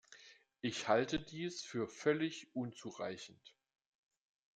Ich halte dies für völlig unzureichend.